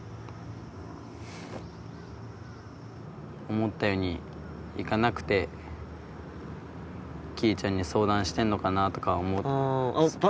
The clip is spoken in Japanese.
思ったようにいかなくてきーちゃんに相談してんのかなとか。